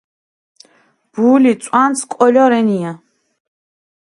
ბული წვანც კოლო რენია